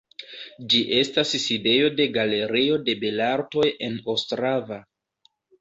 Ĝi estas sidejo de Galerio de belartoj en Ostrava.